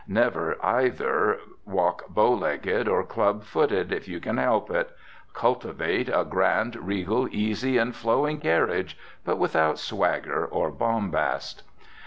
Never, either, walk bow legged or club footed, if you can help it. Cultivate a grand, regal, easy and flowing carriage, but without swagger or bombast.